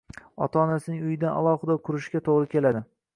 ota-onasining uyidan alohida qurishiga to‘g‘ri keladi.